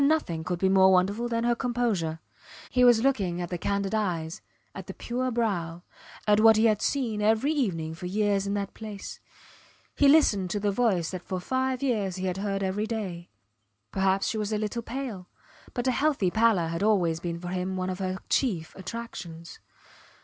And nothing could be more wonderful than her composure. He was looking at the candid eyes, at the pure brow, at what he had seen every evening for years in that place; he listened to the voice that for five years he had heard every day. Perhaps she was a little pale but a healthy pallor had always been for him one of her chief attractions.